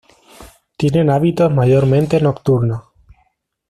Tienen hábitos mayormente nocturnos.